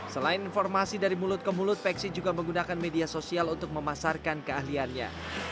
selain informasi dari mulut ke mulut peksi juga menggunakan media sosial untuk memasarkan keahliannya